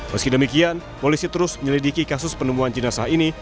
meski demikian polisi terus menyelidiki kasus penemuan jenazah ini